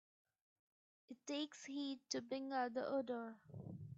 It takes heat to bring out the odor.